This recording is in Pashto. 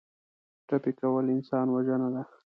ټپي کول انسان وژنه ده.